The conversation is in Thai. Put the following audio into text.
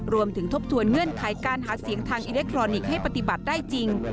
ทบทวนเงื่อนไขการหาเสียงทางอิเล็กทรอนิกส์ให้ปฏิบัติได้จริง